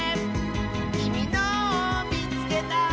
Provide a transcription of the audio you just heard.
「きみのをみつけた！」